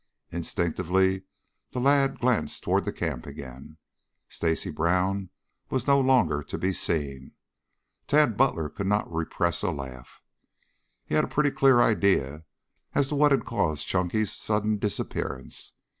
Instinctively the lad glanced toward the camp again. Stacy Brown no longer was to be seen. Tad Butler could not repress a laugh. He had a pretty clear idea as to what had caused Chunky's sudden disappearance.